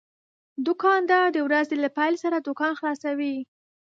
دوکاندار د ورځې له پېل سره دوکان خلاصوي.